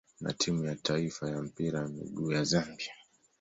na timu ya taifa ya mpira wa miguu ya Zambia.